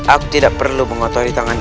aku tidak perlu mengotori tanganmu